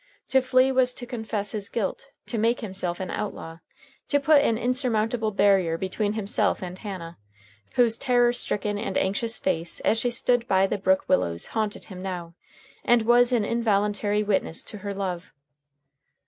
To flee was to confess his guilt, to make himself an outlaw, to put an insurmountable barrier between himself and Hannah, whose terror stricken and anxious face as she stood by the brook willows haunted him now, and was an involuntary witness to her love.